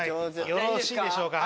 よろしいでしょうか